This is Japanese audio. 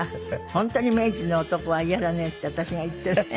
「本当に明治の男はイヤだね」って私が言ったらね